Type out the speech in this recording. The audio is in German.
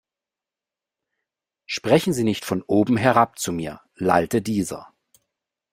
Sprechen Sie nicht von oben herab zu mir, lallte dieser.